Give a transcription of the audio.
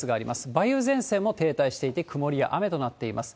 梅雨前線も停滞していて、曇りや雨となっています。